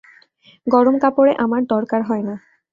গরম কাপড়ে আমার দরকার হয় না।